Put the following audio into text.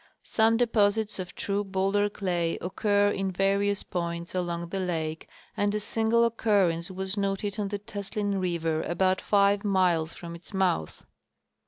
Some deposits of true bowlder clay occur at various points along the lake, and a single occurrence was noted on the Teslin river about five miles from its mouth.